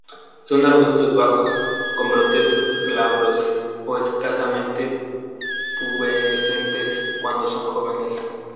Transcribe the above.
Son arbustos bajos; con brotes glabros o escasamente pubescentes cuando son jóvenes.